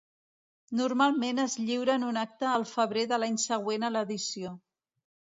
Normalment es lliura en un acte al febrer de l'any següent a l'edició.